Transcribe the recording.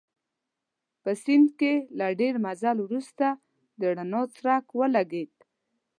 په سیند کې له ډېر مزل وروسته د رڼا څرک ولګېد.